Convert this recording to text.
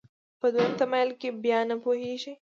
په دویم تمایل کې بیا نه پوهېږي.